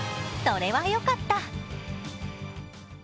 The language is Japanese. それはよかった。